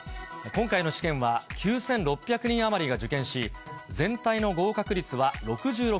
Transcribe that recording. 今回の試験は９６００人余りが受験し、全体の合格率は６６％。